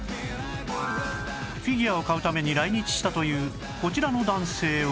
フィギュアを買うために来日したというこちらの男性は